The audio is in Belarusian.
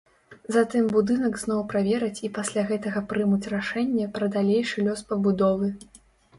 Затым будынак зноў правераць і пасля гэтага прымуць рашэнне пра далейшы лёс пабудовы.